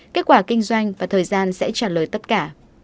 kết quả kinh doanh và thời gian sẽ trả lời tất cả